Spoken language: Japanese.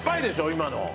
今の。